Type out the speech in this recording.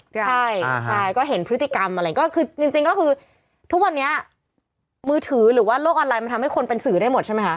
ใช่ใช่ก็เห็นพฤติกรรมอะไรก็คือจริงก็คือทุกวันนี้มือถือหรือว่าโลกออนไลน์มันทำให้คนเป็นสื่อได้หมดใช่ไหมคะ